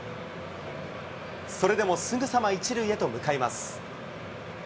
それでもすぐさま１塁へと向かいます。